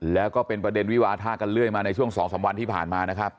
แล้วก็เป็นประเด็นวิวาทะกันเรื่อยมาในช่วง๒๓วันที่ผ่านมานะครับ